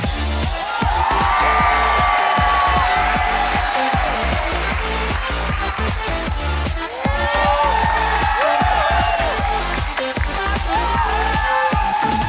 สวัสดีครับ